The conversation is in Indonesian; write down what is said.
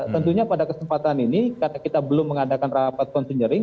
tentunya pada kesempatan ini karena kita belum mengadakan rapat konsinyering